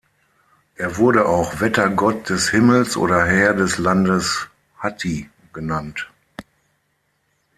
Er wurde auch "Wettergott des Himmels" oder "Herr des Landes Ḫatti" genannt.